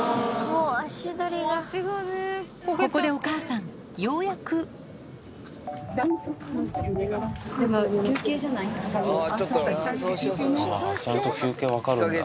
ここでお母さんようやくあぁちゃんと休憩分かるんだ。